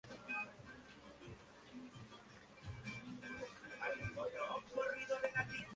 Les robaron el equipo de cámaras y el dinero mientras los amenazaban con matarlos.